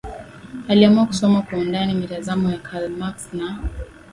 Aliamua kusoma kwa undani mitazamo ya Karl Marx na